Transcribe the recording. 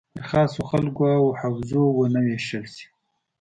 پر خاصو خلکو او حوزو ونه ویشل شي.